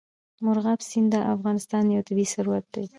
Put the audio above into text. مورغاب سیند د افغانستان یو طبعي ثروت دی.